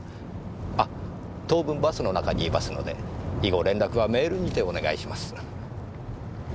あ当分バスの中にいますので以後連絡はメールにてお願いします。